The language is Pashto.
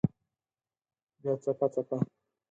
بیا څپه، څپه